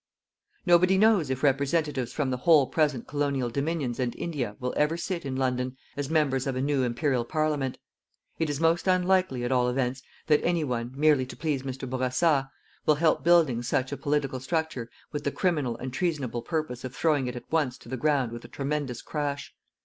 Nobody knows if representatives from the whole present colonial Dominions and India will ever sit, in London, as members of a new Imperial Parliament. It is most unlikely, at all events, that any one, merely to please Mr. Bourassa, will help building such a political structure with the criminal and treasonable purpose of throwing it at once to the ground with a tremendous crash.